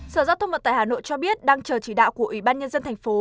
sở giao thông mật tại hà nội cho biết đang chờ chỉ đạo của ủy ban nhân dân thành phố